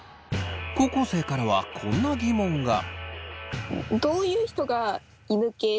高校生からはこんな疑問が。